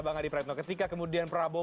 bang adi praetno ketika kemudian prabowo